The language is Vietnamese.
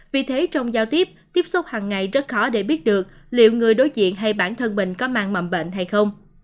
vì thế trong giao tiếp tiếp xúc hằng ngày rất khó để biết được liệu người đối diện hay bản thân mình có mang mầm bệnh hay không